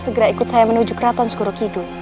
segera ikut saya menuju keraton sekuruk hidup